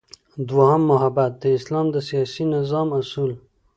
دوهم مبحث : د اسلام د سیاسی نظام اصول